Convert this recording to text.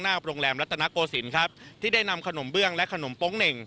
โรงแรมรัตนโกศิลป์ครับที่ได้นำขนมเบื้องและขนมโป๊งเหน่ง